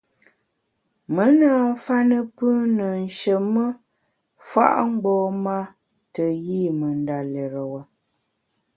Me na mfa ne pùn ne nsheme fa’ mgbom-a te yi me ndalérewa.